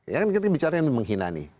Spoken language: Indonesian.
ya kan kita bicara yang menghina nih